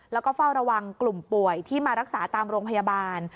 แล้วก็เฝ้าระวังกลุ่มป่วยที่มารักษาตามโรงพยาบาล